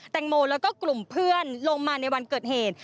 แตงโมแล้วก็กลุ่มเพื่อนลงมาในวันเกิดเหตุ